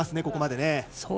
ここまで。